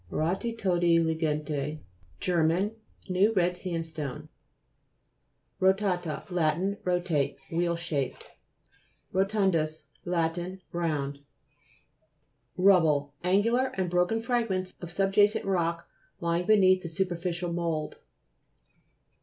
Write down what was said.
ROTHE TODTE LIEGENDE Ger. New red sandstone (note, p. 47). ROTA'TA Lat. Rotate; wheel shaped. ROTU'NDUS Lat. Round. RUBBLE Angular and broken frag ments of subjacent rock lying be neath the superficial mould.